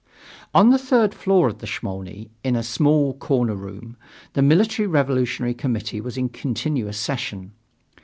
On the third floor of the Smolny, in a small corner room, the Military Revolutionary Committee was in continuous session.